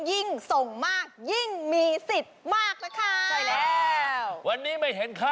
ยิ่งส่งมากยิ่งมีศิษย์มากนะคะ